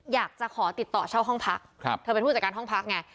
อยากจะขอติดต่อเช่าห้องพักเธอเป็นผู้จัดการห้องพักไง